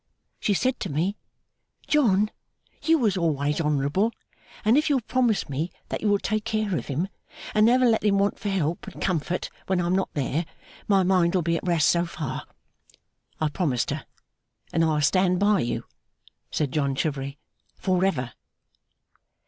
She said to me, "John, you was always honourable, and if you'll promise me that you will take care of him, and never let him want for help and comfort when I am not there, my mind will be at rest so far." I promised her. And I'll stand by you,' said John Chivery, 'for ever!